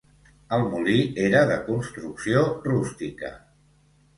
El molí era de construcció rústica.